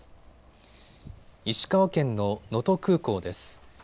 石川県の能登空港です。